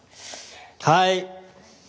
はい。